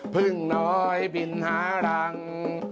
เพิ่งน้อยบินหาหลัง